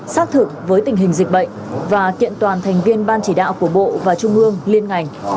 xác thực với tình hình dịch bệnh và kiện toàn thành viên ban chỉ đạo của bộ và trung ương liên ngành